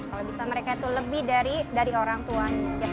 kalau bisa mereka itu lebih dari orang tua